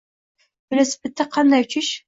Velosipedda qanday uchish.